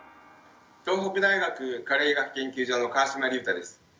東北大学加齢医学研究所の川島隆太です。